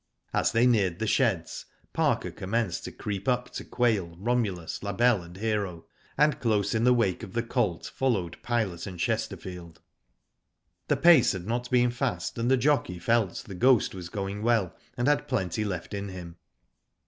As they neared the sheds, Parker commenced to creep up to Quail, Romulus, La Belle, and Hero, and close in the w^ake of the colt followed Pilot and Chesterfield. The pace had not been fast, and the jockey felt The Ghost was going well, and had plenty left in him.